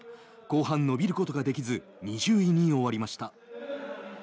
後半、伸びることができず２０位に終わりました。